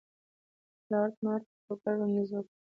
لارډ نارت بروک وړاندیز وکړ.